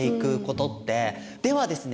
ではですね